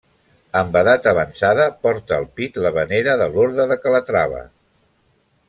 Amb edat avançada porta al pit la venera de l'orde de Calatrava.